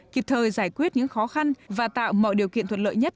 kịp thời giải quyết những khó khăn và tạo mọi điều kiện thuận lợi nhất